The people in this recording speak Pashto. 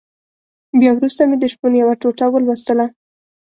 بيا وروسته مې د شپون يوه ټوټه ولوستله.